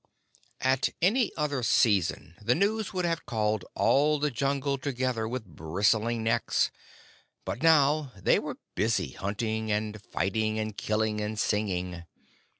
At any other season the news would have called all the Jungle together with bristling necks, but now they were busy hunting and fighting and killing and singing.